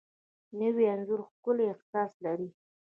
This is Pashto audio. نوی انځور ښکلی احساس لري